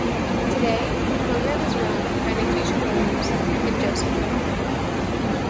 Today, the program is run by Nikisha Williams and Joseph Powell.